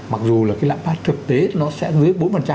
mặc dù là cái lạm phát thực tế nó sẽ dưới bốn